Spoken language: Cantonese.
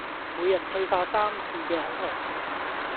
每日退化三次嘅恐龍